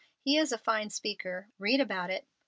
He is a fine speaker. Read about it."